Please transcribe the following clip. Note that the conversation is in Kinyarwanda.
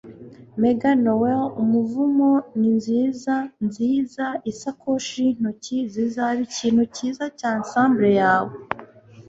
Megan Noel Umuvumo ninziza nziza-isakoshi yintoki zizaba ikintu cyiza cya ensemble yawe.